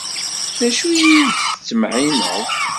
D acu i d-tettmeɛɛineḍ?